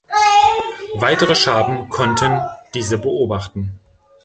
Weitere Schaben konnten diese beobachten.